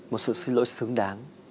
một sự xin lỗi xứng đáng